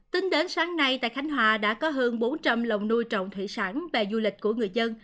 tính đến sáng nay tại khánh hòa đã có hơn bốn trăm linh lòng nuôi trọng thủy sản về du lịch của người dân